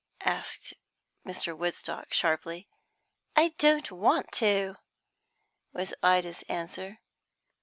asked Mr. Woodstock sharply. "I don't want to," was Ida's answer.